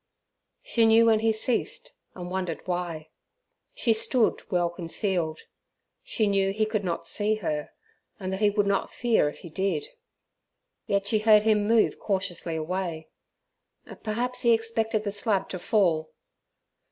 She knew when he ceased, and wondered why. She stood well concealed; she knew he could not see her, and that he would not fear if he did, yet she heard him move cautiously away. Perhaps he expected the slab to fall.